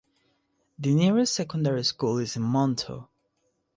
The nearest secondary school is in Monto.